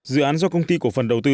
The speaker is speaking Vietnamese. dự án do công ty của phần đầu tư